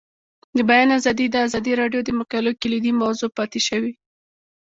د بیان آزادي د ازادي راډیو د مقالو کلیدي موضوع پاتې شوی.